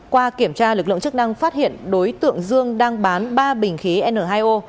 qua kiểm tra lực lượng chức năng phát hiện đối tượng dương đang bán ba bình khí n hai o